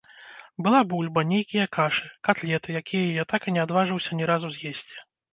Была бульба, нейкія кашы, катлеты, якія я так і не адважыўся ні разу з'есці.